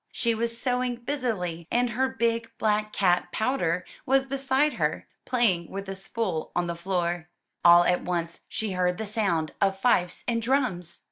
She was sewing busily and her big black cat. Powder, was beside her, playing with a spool on the floor. All at once she heard the sound of fifes and drums.